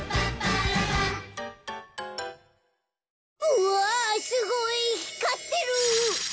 うわすごいひかってる！